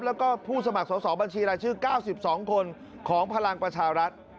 แล้วก็ผู้สมัครสอบบัญชีรายชื่อ๙๒คนของพลังประชารัฐ